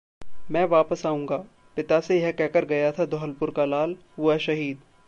मैं वापस आऊंगा- पिता से यह कहकर गया था धौलपुर का लाल, हुआ शहीद